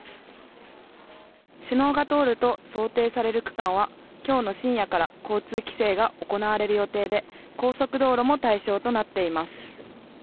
首脳が通ると想定される区間は、きょうの深夜から交通規制が行われる予定で、高速道路も対象となっています。